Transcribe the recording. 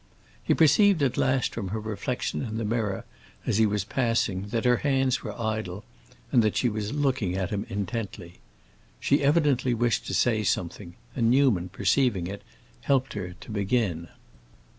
He perceived at last from her reflection in the mirror, as he was passing that her hands were idle and that she was looking at him intently. She evidently wished to say something, and Newman, perceiving it, helped her to begin.